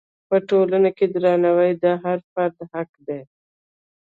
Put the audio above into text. په ټولنه کې درناوی د هر فرد حق دی.